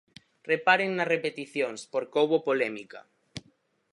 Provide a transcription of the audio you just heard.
Reparen nas repeticións, porque houbo polémica.